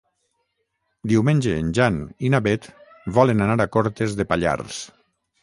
Diumenge en Jan i na Beth volen anar a Cortes de Pallars.